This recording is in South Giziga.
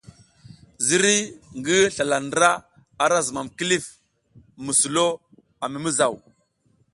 Ziriy ngi slala ndra ara zumam kilif mi sulo a mi mizaw.